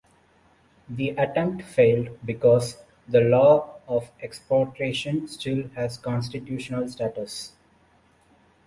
The attempt failed because the law of expropriation still has constitutional status.